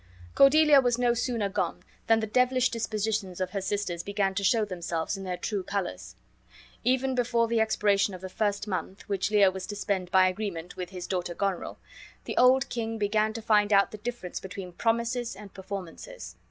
Cordelia was no sooner gone than the devilish dispositions of her sisters began to show themselves 'in their true colors. Even before the expiration of the first month, which Lear was to spend by agreement ,with his , daughter, Goneril, the old king began to find out the difference between promises and performances.